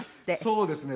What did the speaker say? そうですね。